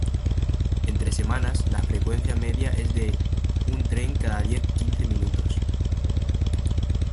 Entre semanas la frecuencia media es de un tren cada diez-quince minutos.